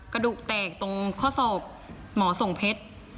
กระดูกแตกตรงข้อศอกหมอส่งเพชร